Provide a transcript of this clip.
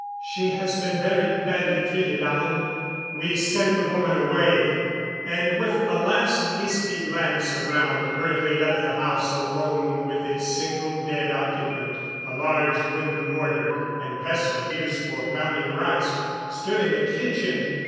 She has been very badly treated, Alan." We sent the woman away, and with a last hasty glance around hurriedly left the house alone with its single dead occupant. A large wooden mortar and pestle, used for pounding rice, stood in the kitchen.